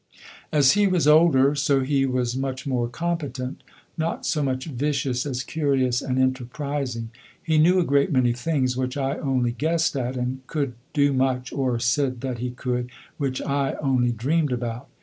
As he was older, so he was much more competent. Not so much vicious as curious and enterprising, he knew a great many things which I only guessed at, and could do much or said that he could which I only dreamed about.